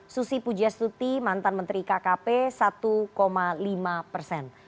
susi pujastuti mantan menteri kkp satu lima persen